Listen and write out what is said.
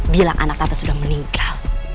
bila anak tante sudah meninggal